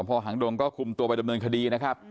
พอหางดงก็คุมตัวไปดำเนินคดีนะครับ